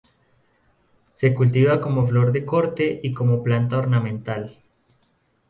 Se cultiva como flor de corte y como planta ornamental.